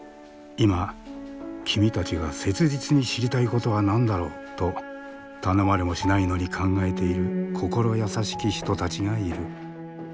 「今君たちが切実に知りたいことは何だろう？」と頼まれもしないのに考えている心優しき人たちがいる。